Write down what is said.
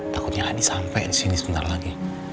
takutnya adi sampai disini sebentar lagi